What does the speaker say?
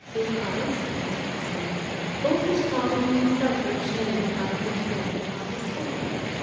"Because," answered Christina, "both his father and himself were ashamed of how the first baronet got his title.